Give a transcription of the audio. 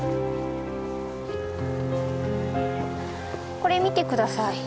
これ見て下さい。